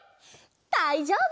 だいじょうぶ！